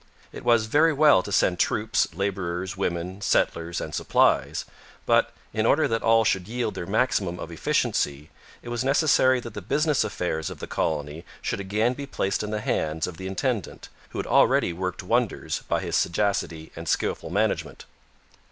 It was very well to send troops, labourers, women, settlers, and supplies; but, in order that all should yield their maximum of efficiency, it was necessary that the business affairs of the colony should again be placed in the hands of the intendant, who had already worked wonders by his sagacity and skilful management.